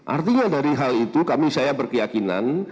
artinya dari hal itu kami saya berkeyakinan